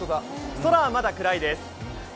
空はまだ暗いです。